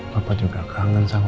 papa juga kangen sama mama